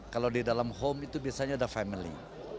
kalau di dalam home itu biasanya ada family